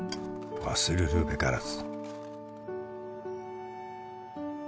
「忘るるべからず」